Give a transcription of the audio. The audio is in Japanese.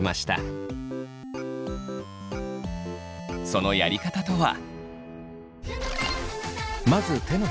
そのやり方とは。